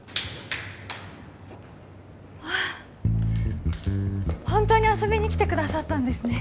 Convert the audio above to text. ああ本当に遊びに来てくださったんですね